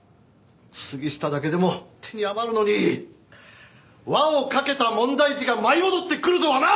杉下だけでも手に余るのに輪をかけた問題児が舞い戻ってくるとはな！